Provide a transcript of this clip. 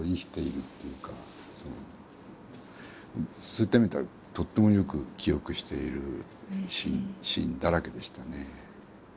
そういった意味ではとってもよく記憶しているシーンだらけでしたね。